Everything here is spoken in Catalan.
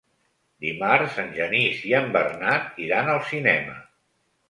Dimarts en Genís i en Bernat iran al cinema.